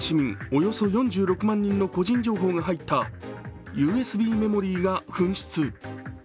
およそ４６万人の個人情報が入ったＵＳＢメモリーが紛失。